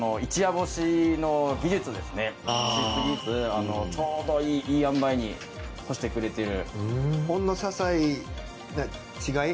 干しすぎずちょうどいいいいあんばいに干してくれてる。